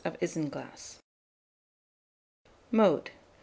of isinglass. Mode.